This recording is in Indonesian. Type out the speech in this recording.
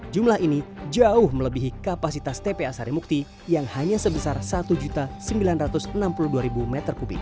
jumlah ini jauh melebihi kapasitas tpa sarimukti yang hanya sebesar satu sembilan ratus enam puluh dua m tiga